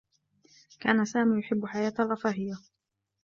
كان سامي يحبّ حياة الرّفاهيّة.